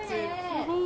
すごいね！